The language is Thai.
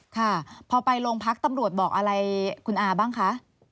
ค่ะพอไปโรงพักตำรวจบอกอะไรคุณอาบ้างคะ